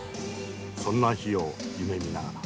そんな日を夢みながら。